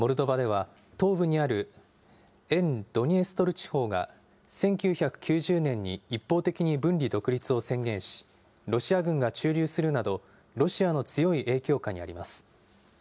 モルドバでは、東部にある沿ドニエストル地方が、１９９０年に一方的に分離独立を宣言し、ロシア軍が駐留するなど、ロシアの強い影響下にあります。